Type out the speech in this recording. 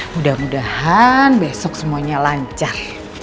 mudah mudahan besok semuanya lancar